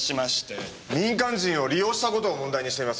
民間人を利用した事を問題にしています。